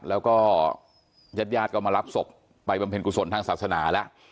แล้วก็ญาติญาติก็มารับศพไปบำเพ็ญกุศลทางศาสนาแล้ว